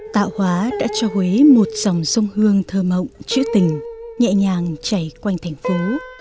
tạo hóa đã cho huế một dòng sông hương thơ mộng chữ tình nhẹ nhàng chảy quanh thành phố